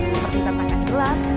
seperti tatangan gelas